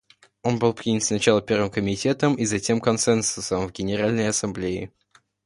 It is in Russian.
Он был принят сначала Первым комитетом и затем консенсусом в Генеральной Ассамблее.